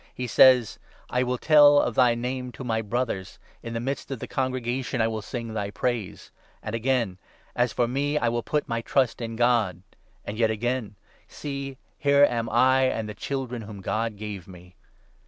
He says — 12 ' I will tell of thy Name to my Brothers, In the midst of the congregation I will sing thy praise.' And again — 13 'A3 for me, I will put my trust in God.'. And yet again —' See, here am I and the children whom God gave me.